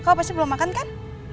kau pasti belum makan kan